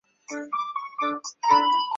早于上古时代托斯卡尼就已有人居住。